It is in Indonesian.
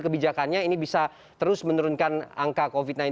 kebijakannya ini bisa terus menurunkan angka covid sembilan belas